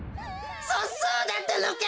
そそうだったのか！